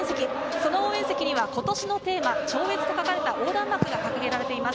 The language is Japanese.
その応援席には、今年のテーマ、「超越」と書かれた横断幕が掲げられています。